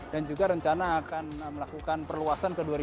dan juga rencana akan melakukan perluasan ke dua dua ratus hektare